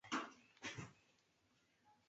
市南端即为富士山的山顶。